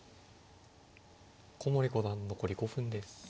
古森五段残り５分です。